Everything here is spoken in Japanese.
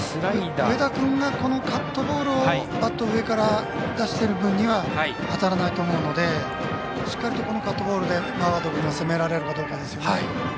上田君がカットボールをバットを上から出している分には当たらないと思うのでしっかりカットボールでマーガード君が攻められるかどうかですね。